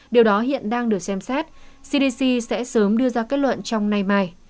điều đó hiện đang được xem xét cdc sẽ sớm đưa ra kết luận trong nay mai